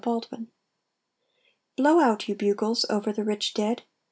THE DEAD Blow out, you bugles, over the rich Dead!